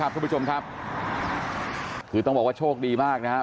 ทุกผู้ชมครับคือต้องบอกว่าโชคดีมากนะครับ